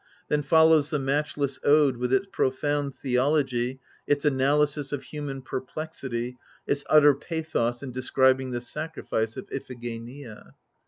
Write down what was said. Then follows the matchless ode, with its profound theology, its analysis of human perplexity, its utter pathos in describing the sacrifice of Iphigenia.